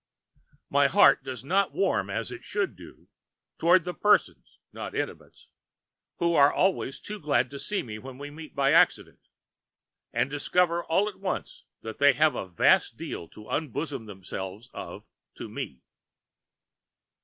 My heart does not warm as it should do towards the persons, not intimates, who are always too glad to see me when we meet by accident, and discover all at once that they have a vast deal to unbosom themselves of to me.